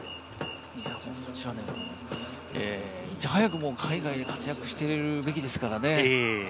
いち早く、海外で活躍しているべきですからね。